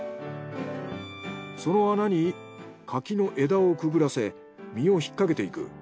その穴に柿の枝をくぐらせ実を引っ掛けていく。